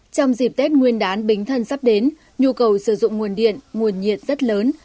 trong dịp tết nguyên đán bính thân sắp đến nhu cầu sử dụng nguồn điện nguồn nhiệt rất lớn